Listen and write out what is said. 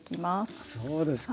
あそうですか。